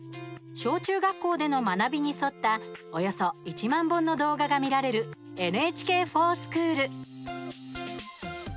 小中学校での学びに沿ったおよそ１万本の動画が見られる「ＮＨＫｆｏｒＳｃｈｏｏｌ」。